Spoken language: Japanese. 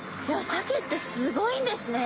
サケってすごいんですね。